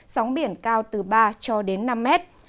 sóng biển cao từ ba cho đến năm mét